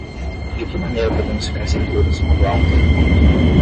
De que maneira podemos ficar seguros quando há um terremoto?